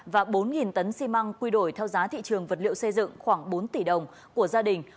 và bốn tấn xi măng quy đổi theo giá thị trường vật liệu xây dựng khoảng bốn tỷ đồng của gia đình